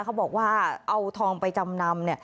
เขาบอกว่าเอาทองไปจำนำ